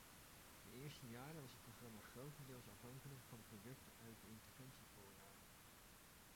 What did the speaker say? De eerste jaren was het programma grotendeels afhankelijk van producten uit de interventievoorraden.